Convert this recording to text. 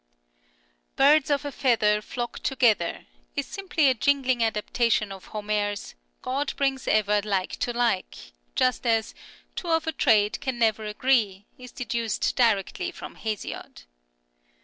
Birds of a feather flock together" is simply a jingling adaptation of Homer's " God brings ever like to like," just as " Two of a trade can never agree " is deduced directly from Hesiod.